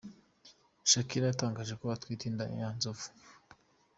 Shakira yatangaje ko atwite inda ya nzovu